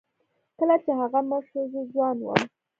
کله چې هغه مړ شو زه ځوان وم.